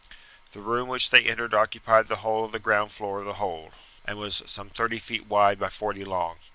The room which they entered occupied the whole of the ground floor of the hold, and was some thirty feet wide by forty long.